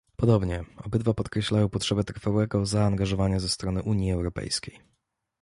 Podobnie, obydwa podkreślają potrzebę trwałego zaangażowania ze strony Unii Europejskiej